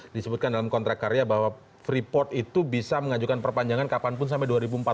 disebutkan dalam kontrak karya bahwa freeport itu bisa mengajukan perpanjangan kapanpun sampai dua ribu empat belas